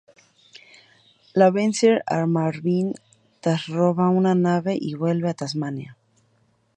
La vencer a Marvin, Taz roba una nave y vuelve a Tasmania.